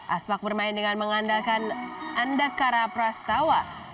aspak bermain dengan mengandalkan andakara prastawa